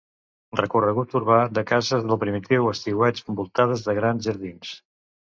Recorregut urbà de cases del primitiu estiueig envoltades de grans jardins.